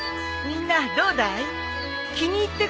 みんなどうだい？